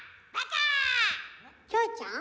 キョエちゃん？